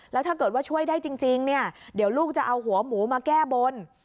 แล้วถ้าเกิดว่าช่วยได้จริงเนี่ยเดี๋ยวลูกจะเอาหัวหมูมาแก้บน